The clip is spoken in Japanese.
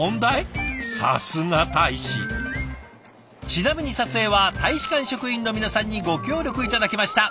ちなみに撮影は大使館職員の皆さんにご協力頂きました。